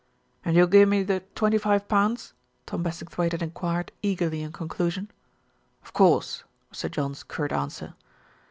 "And you'll gi'e me the twenty five pound?" Tom Bassingthwaighte had enquired eagerly in conclusion. "Of course," was Sir John's curt answer.